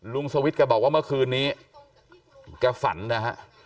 สวิทย์แกบอกว่าเมื่อคืนนี้แกฝันนะฮะ